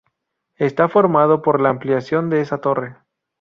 Está formado por la ampliación de esa torre.